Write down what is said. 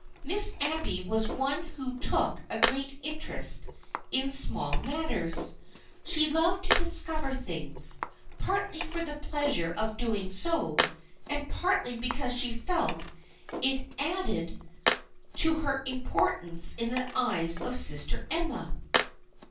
Miss Abby was one who took a great interest in small matters. She loved to discover things, partly for the pleasure of doing so, and partly because she felt that it added THE FRIENDSHIP OF ANNE 267 to her importance in the eyes of Sister Emma.